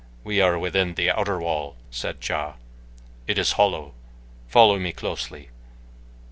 "We are within the outer wall," said Ja. "It is hollow. Follow me closely."